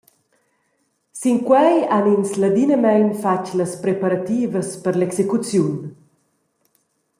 Sinquei han ins ladinamein fatg las preparativas per l’execuziun.